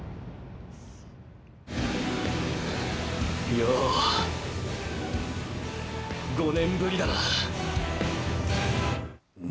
よう、５年ぶりだな。